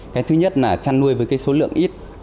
cái thứ nhất là chăn nuôi với cái số lượng ít